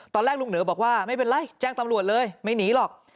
ตอนแรกลุงเหนอบอกว่าไม่เป็นไรแจ้งตำรวจเลยไม่หนีหรอก